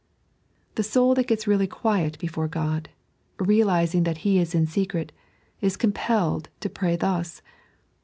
The soul that reaUy gets quiet before God, realizing that He is in secret, is compelled to pray thus.